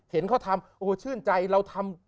เห็นเขาทำโอ้ชื่นใจเราทำ